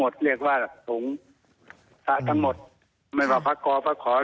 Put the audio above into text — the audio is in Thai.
สงฆ์ทั้งหมดเรียกว่าสงฆ์